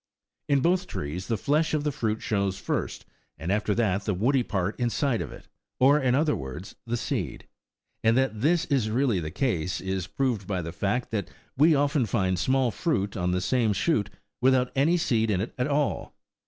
In both trees the flesh of the fruit shows first, and after that the woody part inside of it, or, in other words, the seed : and that this is really the case, is proved by the fact, that we often find small fruit on the same shoot without any seed in it at all.